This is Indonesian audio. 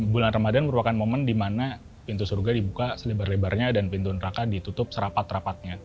bulan ramadan merupakan momen di mana pintu surga dibuka selebar lebarnya dan pintu neraka ditutup serapat rapatnya